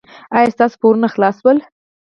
ایا ستاسو پورونه خلاص شول؟